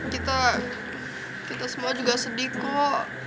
kita semua juga sedih kok